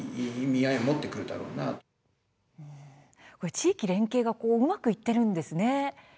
地域連携がうまくいっているんですね。